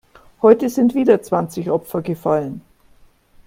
Heute sind wieder zwanzig Opfer gefallen.